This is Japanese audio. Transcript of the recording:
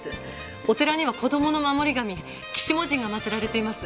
お寺には子供の守り神鬼子母神が祭られています。